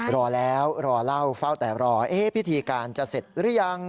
รอแล้วเมื่อพิธีการจะเสร็จรึยัง